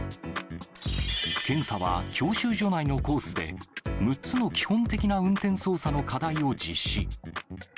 検査は、教習所内のコースで、６つの基本的な運転操作の課題を実施。